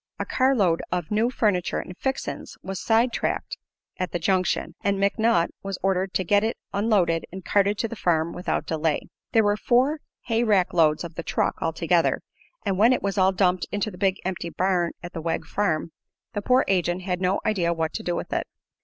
A carload of new furniture and "fixin's" was sidetracked at the junction, and McNutt was ordered to get it unloaded and carted to the farm without delay. There were four hay rack loads of the "truck," altogether, and when it was all dumped into the big empty barn at the Wegg farm the poor agent had no idea what to do with it.